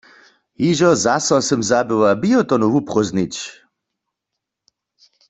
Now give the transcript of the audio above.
Hižo zaso sym zabyła biotonu wuprózdnić.